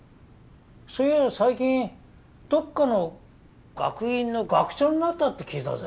そういや最近どっかの学院の学長になったって聞いたぜ。